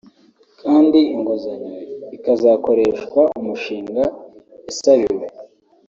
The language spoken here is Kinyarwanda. kandi inguzanyo ikazakoreshwa umushinga yasabiwe